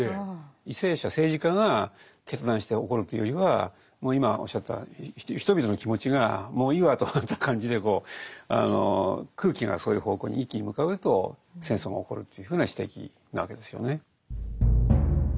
為政者政治家が決断して起こるというよりはもう今おっしゃった人々の気持ちがもういいわとなった感じで空気がそういう方向に一気に向かうと戦争が起こるというふうな指摘なわけですよね。